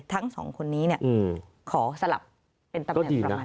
ทั้งสองคนนี้ขอสลับเป็นตำแหน่งประมาณ